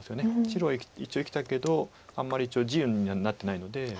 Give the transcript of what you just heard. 白は一応生きたけどあんまり地にはなってないので。